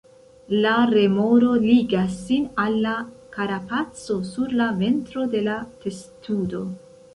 La remoro ligas sin al la karapaco sur la ventro de la testudo.